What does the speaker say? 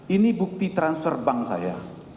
ini bukti transfer bank saya